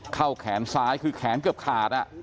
เข้าแขนซ้ายคือแขนเกือบขาดอ่ะ